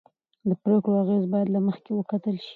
د پرېکړو اغېز باید له مخکې وکتل شي